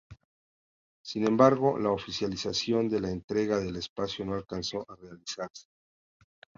Sin embargo, la oficialización de la entrega del espacio no alcanzó a realizarse.